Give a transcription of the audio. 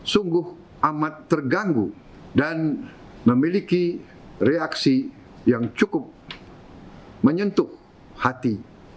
sungguh amat terganggu dan memiliki reaksi yang cukup menyentuh hati